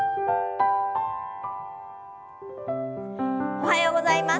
おはようございます。